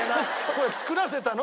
これ作らせたの？